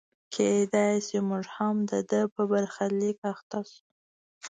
کېدای شي موږ هم د ده په برخلیک اخته شو.